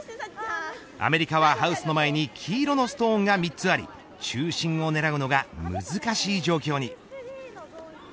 アメリカはハウスの前に黄色のストーンが３つあり中心をねらうのが難しい状況に。